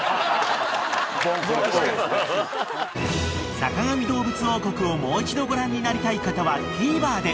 ［『坂上どうぶつ王国』をもう一度ご覧になりたい方はＴＶｅｒで］